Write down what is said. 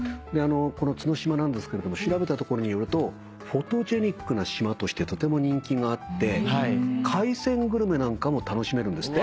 この角島なんですけれども調べたところによるとフォトジェニックな島としてとても人気があって海鮮グルメなんかも楽しめるんですって。